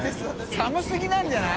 寒すぎなんじゃない？